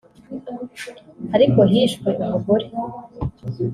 Ariko hishwe umugore